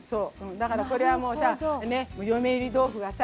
だからこれはもうさ「嫁いり豆腐」はさ